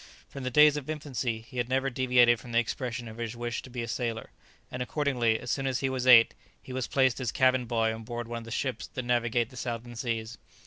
From the days of infancy he had never deviated from the expression of his wish to be a sailor, and accordingly, as soon as he was eight, he was placed as cabin boy on board one of the ships that navigate the Southern Seas.